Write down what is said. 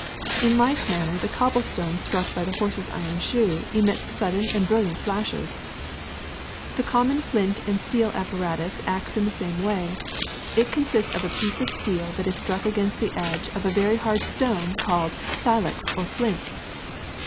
In like manner the cobble stone struck by the horse's iron shoe emits sudden and brilliant flashes. ^^ The common flint and steel apparatus acts in the same way. It consists of a piece of steel that is struck against the edge of a very hard stone called silex or flint.